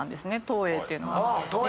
投影っていうのは。